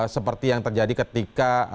seperti yang terjadi ketika